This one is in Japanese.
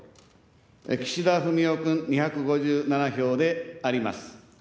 岸田文雄君、２５７票であります。